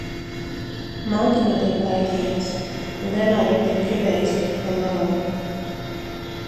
Māte no tiem baidījās un vienmēr ar tiem gribēja iztikt pa labam.